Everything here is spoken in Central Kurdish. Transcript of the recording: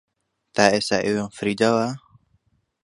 تا ئێستا ئێوەم فریوداوە؟